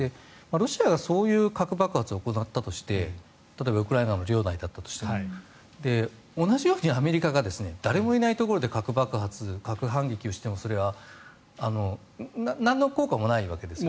ロシアがそういう核爆発を行ったとして例えばウクライナの領内だったとして同じようにアメリカが誰もいないところで核爆発、核反撃をしてもそれはなんの効果もないわけです。